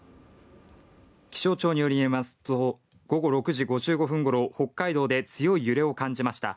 気象庁によりますと、午後６時５５分ごろ、北海道で強い揺れを感じました。